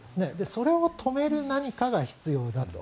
それを止める何かが必要だと。